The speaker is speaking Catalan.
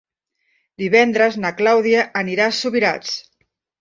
Divendres na Clàudia anirà a Subirats.